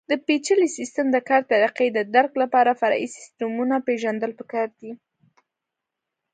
د پېچلي سیسټم د کار طریقې د درک لپاره فرعي سیسټمونه پېژندل پکار دي.